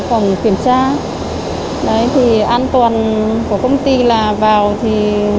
khoảng kiểm tra an toàn của công ty là vào thì